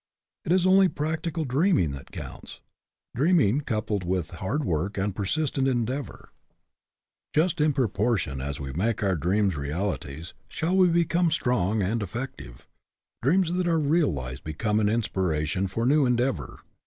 It is only practical dreaming that counts, dreaming coupled with hard work and persistent endeavor. 74 WORLD OWES TO DREAMERS Just in proportion as we make our dreams realities, shall we become strong and effective. Dreams that are realized become an inspira tion for new endeavor.